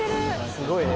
すごいね。